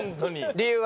理由は？